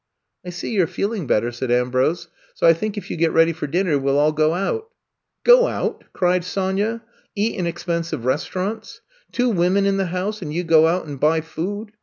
*^ I see you *re feeling better, ^* said Am brose, so I think if you get ready for din ner we '11 all go out. '' *'Qo out!" cried Sonya. Eat in ex pensive restaurants! Two women in the house and you go out and buy food